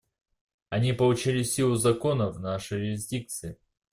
Они получили силу закона в нашей юрисдикции.